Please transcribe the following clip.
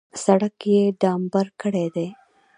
سړک یې ډامبر کړی دی.